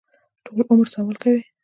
ټول عمر سوال کوي.